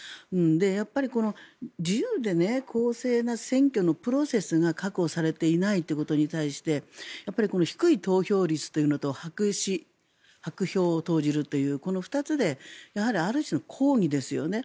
やっぱり自由で公正な選挙のプロセスが確保されていないということに対してやっぱり低い投票率というのと白票を投じるというこの２つでやはり、ある種の抗議ですよね。